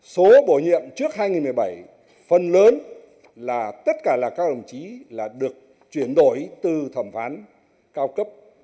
số bổ nhiệm trước hai nghìn một mươi bảy phần lớn là tất cả là các đồng chí là được chuyển đổi từ thẩm phán cao cấp